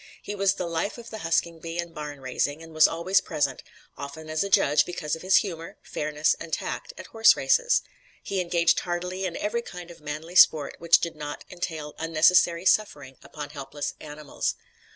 He was "the life" of the husking bee and barn raising, and was always present, often as a judge because of his humor, fairness and tact, at horse races. He engaged heartily in every kind of "manly sport" which did not entail unnecessary suffering upon helpless animals.